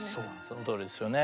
そのとおりですよね。